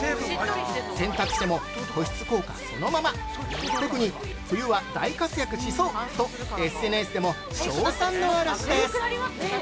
洗濯しても保湿効果はそのまま特に冬は大活躍しそうとＳＮＳでも称賛の嵐です。